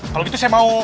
kalau gitu saya mau